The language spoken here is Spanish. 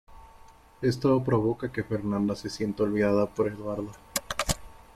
Esto provoca que Fernanda se sienta olvidada por Eduardo.